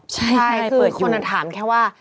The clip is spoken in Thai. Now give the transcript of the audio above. ใช่คือคนถามแค่ว่า